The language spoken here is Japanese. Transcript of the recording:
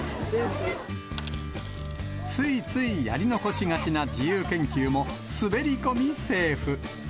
ついついやり残しがちな自由研究も滑り込みセーフ。